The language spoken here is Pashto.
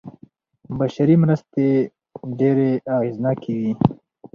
بشري مرستې ډېرې اغېزناکې وې.